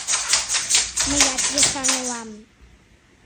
— Мыят ешан улам.